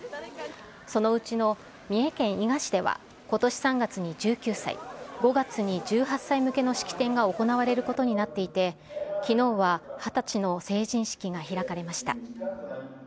そのうちの三重県伊賀市では、ことし３月に１９歳、５月に１８歳向けの式典が行われることになっていて、きのうは二十歳の成人式が開かれました。